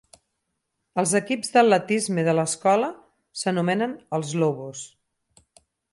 Els equips d'atletisme de l'escola s'anomenen els Lobos.